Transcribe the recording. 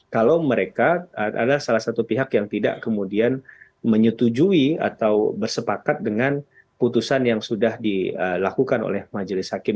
kalau mereka adalah salah satu pihak yang tidak kemudian menyetujui atau bersepakat dengan putusan yang sudah dilakukan oleh majelis hakim